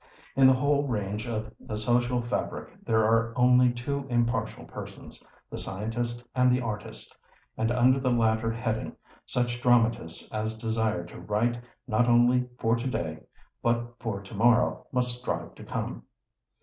In the whole range of the social fabric there are only two impartial persons, the scientist and the artist, and under the latter heading such dramatists as desire to write not only for to day, but for to morrow, must strive to come.